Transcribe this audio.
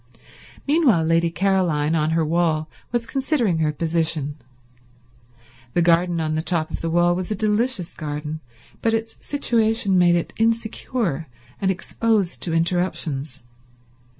Meanwhile Lady Caroline, on her wall, was considering her position. The garden on the top of the wall was a delicious garden, but its situation made it insecure and exposed to interruptions.